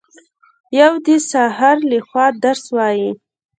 یو د سحر لخوا درس وايي